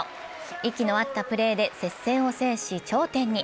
息の合ったプレーで接戦を制し頂点に。